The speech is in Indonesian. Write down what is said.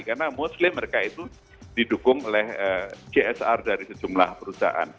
karena mostly mereka itu didukung oleh csr dari sejumlah perusahaan